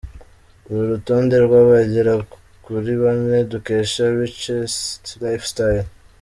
uru rutonde rw’abagera kuri bane, dukesha richestlifestyle.